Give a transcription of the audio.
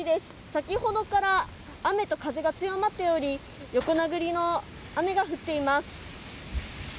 先ほどから雨と風が強まっており横殴りの雨が降っています。